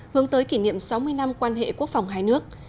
hướng tới kỷ niệm sáu mươi năm quan hệ quốc phòng hai nước